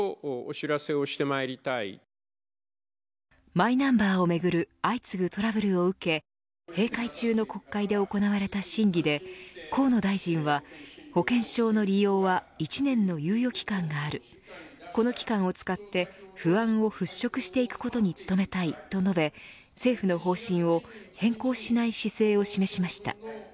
マイナンバーをめぐる相次ぐトラブルを受け閉会中の国会で行われた審議で河野大臣は保険証の利用は１年の猶予期間があるこの期間を使って不安を払拭していくことに努めたいと述べ政府の方針を変更しない姿勢を示しました。